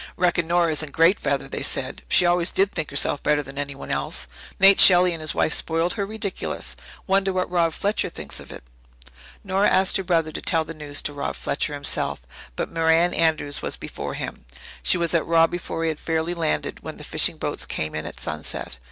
"Reckon Nora is in great feather," they said. "She always did think herself better than anyone else. Nate Shelley and his wife spoiled her ridiculous. Wonder what Rob Fletcher thinks of it?" Nora asked her brother to tell the news to Rob Fletcher himself, but Merran Andrews was before him. She was at Rob before he had fairly landed, when the fishing boats came in at sunset.